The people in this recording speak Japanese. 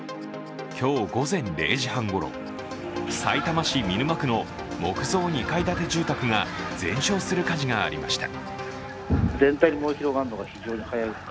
今日午前０時半ごろ、さいたま市見沼区の木造２階建て住宅が全焼する火事がありました。